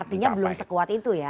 artinya belum sekuat itu ya